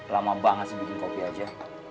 lama banget sih bikin kopi aja